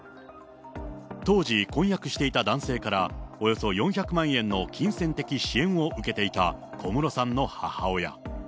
当時、婚約していた男性から、およそ４００万円の金銭的支援を受けていた小室さんの母親。